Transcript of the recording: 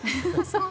そう。